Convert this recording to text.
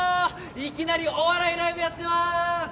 いきなりお笑いライブやってます！